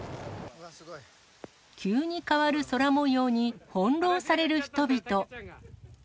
急に変わる空もように翻弄される人々。